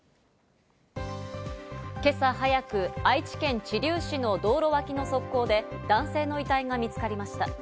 今朝早く、愛知県知立市の道路脇の側溝で男性の遺体が見つかりました。